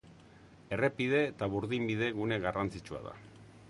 Errepide eta burdinbide gune garrantzitsua da.